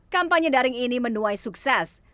kampanye daring ini menuai sukses